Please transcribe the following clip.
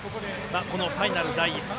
このファイナル第１戦。